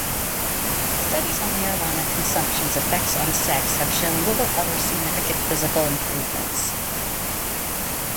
Studies on marijuana consumption’s effects on sex have shown little other significant physical improvements.